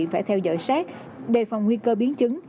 phải theo dõi sát đề phòng nguy cơ biến chứng